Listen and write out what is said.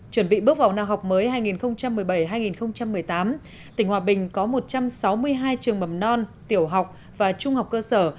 chuẩn bị bước vào năm học mới hai nghìn một mươi bảy hai nghìn một mươi tám tỉnh hòa bình có một trăm sáu mươi hai trường mầm non tiểu học và trung học cơ sở